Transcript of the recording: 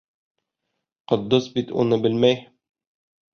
Ҡотдос бит уны белмәй.